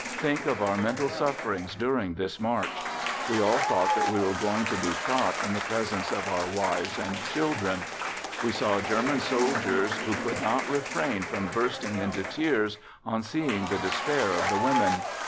Think of our mental sufferings during this march! We all thought that we were going to be shot in the presence of our wives and children. I saw German soldiers who could not refrain from bursting into tears, on seeing the despair of the women.